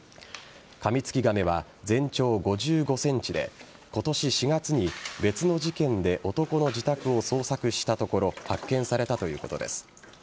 カミツキガメは全長５５ｃｍで今年４月に別の事件で男の自宅を捜索したところ発見されたということです。